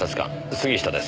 杉下です。